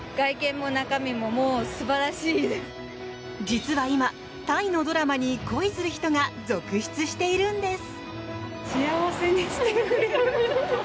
実は今、タイのドラマに恋する人が続出しているんです。